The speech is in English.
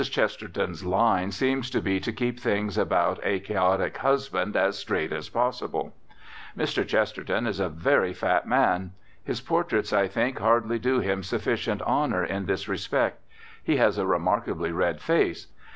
Chesterton's line seems to be to keep things about a chaotic husband as straight as possible. Mr. Chesterton is a very fat man. His portraits, I think, hardly do him sufficient honour in this respect. He has a remarkably red face.